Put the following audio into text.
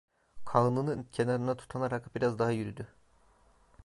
Kağnının kenarına tutunarak biraz daha yürüdü.